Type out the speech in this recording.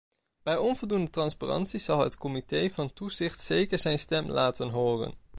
Bij onvoldoende transparantie zal het comité van toezicht zeker zijn stem laten horen.